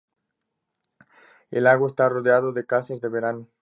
El lago está rodeado de casas de verano.